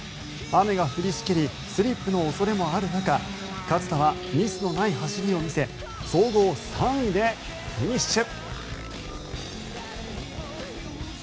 雨が降りしきりスリップの恐れもある中勝田はミスのない走りを見せ総合３位でフィニッシュ。